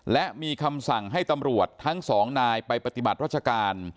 และมีคำสั่งให้ตำรวจทั้งสองนายไปปฏิบัติรัชการ